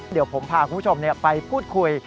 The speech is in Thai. เดี๋ยวผมพาคุณผู้ชมไปพูดคุย